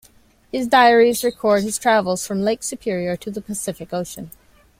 His diaries record his travels from Lake Superior to the Pacific Ocean.